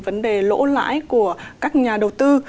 vấn đề lỗ lãi của các nhà đầu tư